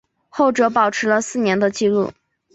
后者保持了四年的纪录。